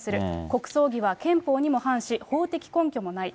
国葬儀は憲法にも反し、法的根拠もない。